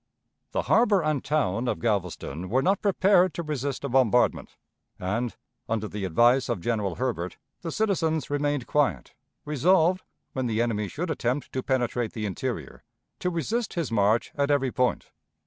The harbor and town of Galveston were not prepared to resist a bombardment, and, under the advice of General Herbert, the citizens remained quiet, resolved, when the enemy should attempt to penetrate the interior, to resist his march at every point.